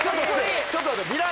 ちょっと待って下さい。